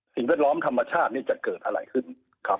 แวดล้อมธรรมชาติเนี่ยจะเกิดอะไรขึ้นครับ